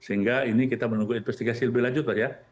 sehingga ini kita menunggu investigasi lebih lanjut pak ya